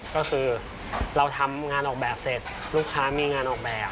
ก็คือเราทำงานออกแบบเสร็จลูกค้ามีงานออกแบบ